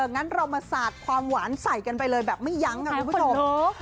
งั้นเรามาสาดความหวานใส่กันไปเลยแบบไม่ยั้งค่ะคุณผู้ชม